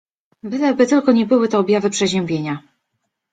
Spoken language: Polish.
Byleby tylko nie były to objawy przeziębienia…